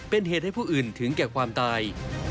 เป็นเหตุให้ผู้อื่นถึงแก่ความตาย